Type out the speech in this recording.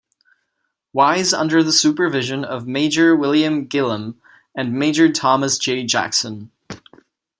Wise under the supervision of Major William Gilham and Major Thomas J. Jackson.